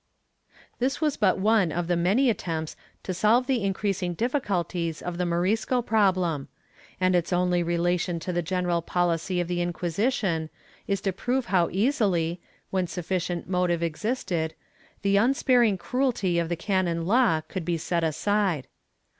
^ This was but one of the many attempts to solve the increasing difficulties of the Morisco problem, and its only relation to the general policy of the Inquisition is to prove how easily, when sufficient motive existed, the unsparing cruelty of the canon law could be set aside.